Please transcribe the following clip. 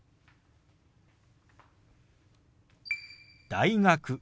「大学」。